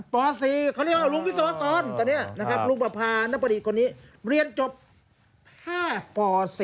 ป๔เขาเรียกว่าลุงวิศวกรตอนนี้นะครับลุงประพาณประดิษฐ์คนนี้เรียนจบ๕ป๔